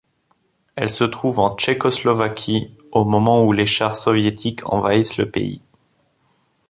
Elle se trouve en Tchécoslovaquie au moment où les chars soviétiques envahissent le pays.